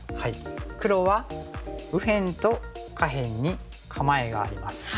黒は右辺と下辺に構えがあります。